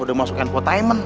udah masuk info timen